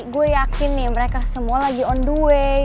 gue yakin nih mereka semua lagi on the way